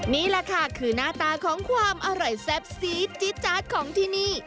นี่แหละค่ะคือหน้าตาของความอร่อยแซ่บซีดจี๊ดของที่นี่